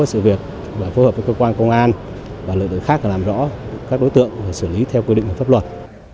sự việc và phối hợp với cơ quan công an và lực lượng khác là làm rõ các đối tượng và xử lý theo quy định và pháp luật